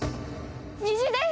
虹です！